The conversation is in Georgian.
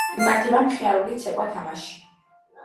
იმართება მხიარული ცეკვა-თამაში.